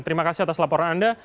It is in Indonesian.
terima kasih atas laporan anda